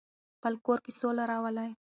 خپل کور کې سوله راولئ.